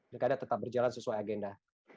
pilkada tetap berjalan sesuai agenda